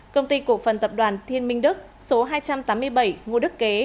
công ty cổ phần tập đoàn thiên minh đức số hai trăm tám mươi bảy ngô đức kế